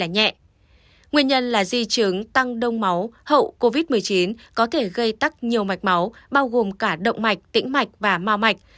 nguyên nhân là di chứng tăng đông máu hậu covid một mươi chín có thể gây tắc nhiều mạch máu bao gồm cả động mạch tĩnh mạch và mau mạch